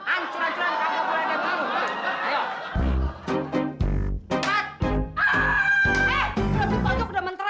ancuran ancuran kacau kacauan yang baru